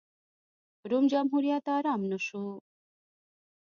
روم جمهوریت ارام نه شو.